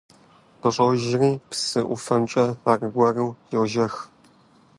КъыщӀожри, псы ӀуфэмкӀэ аргуэру йожэх.